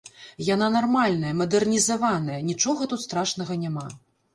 Яна нармальная, мадэрнізаваная, нічога тут страшнага няма.